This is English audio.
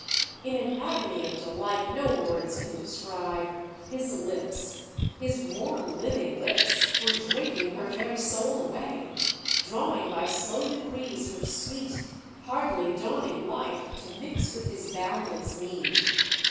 In an agony of delight no words can describe, his lips, his warm living lips, were drinking her very soul away drawing by slow degrees her sweet hardly dawning life to mix with his boundless need.